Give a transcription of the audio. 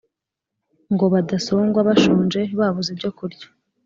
Ngo badasongwa bashonje babuze ibyo kurya